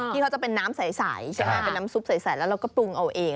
ที่เขาจะเป็นน้ำใสใช่ไหมเป็นน้ำซุปใสแล้วเราก็ปรุงเอาเอง